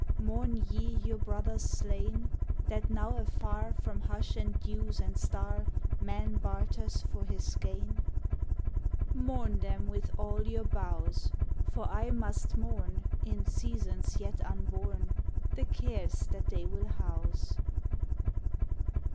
Mourn ye your brothers slain, That now afar From hush and dews and star Man barters for his gain^ 58 BENEJ'TH "THE REDWOODS Mourn them with all your boughs, For I must mourn, In seasons yet unborn. The cares that they will house.